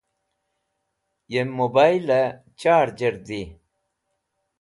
yem mobile charger di